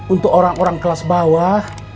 untuk orang orang kelas bawah